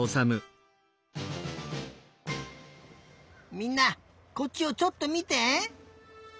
みんなこっちをちょっとみて！